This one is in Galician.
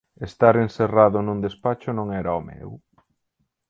Estar encerrado nun despacho non era o meu.